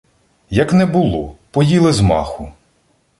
Як не було — поїли з маху